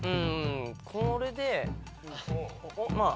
これでまぁ。